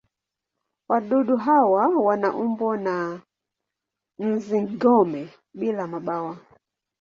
Wadudu hawa wana umbo wa nzi-gome bila mabawa.